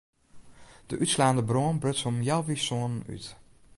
De útslaande brân bruts om healwei sânen út.